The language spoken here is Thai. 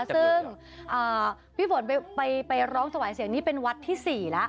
ซึ่งพี่ฝนไปร้องถวายเสียงนี่เป็นวัดที่๔แล้ว